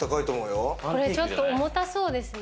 ちょっと重たそうですね。